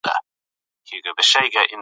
موخه د میکروبونو ودې کمول وي.